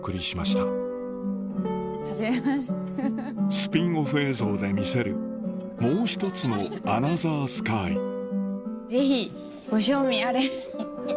スピンオフ映像で見せるもう１つの『アナザースカイ』ぜひご賞味あれ！